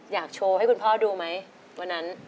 อยากโชว์ให้คุณพ่อดูไหมวันนั้น